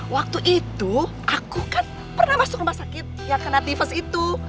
waktu itu aku kan pernah masuk rumah sakit yang kena tiffus itu